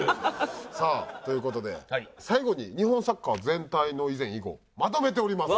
さあという事で最後に日本サッカー全体の以前以後まとめております。